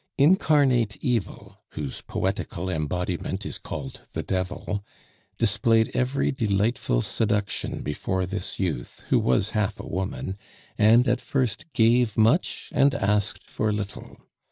Incarnate evil, whose poetical embodiment is called the Devil, displayed every delightful seduction before this youth, who was half a woman, and at first gave much and asked for little.